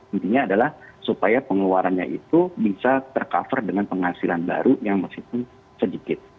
intinya adalah supaya pengeluarannya itu bisa tercover dengan penghasilan baru yang meskipun sedikit